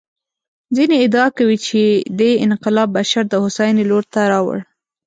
ځینې ادعا کوي چې دې انقلاب بشر د هوساینې لور ته راوړ.